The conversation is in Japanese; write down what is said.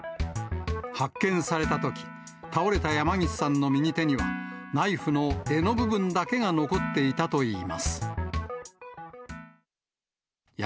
発見されたとき、倒れた山岸さんの右手にはナイフの柄の部分だけが残っていたといいます。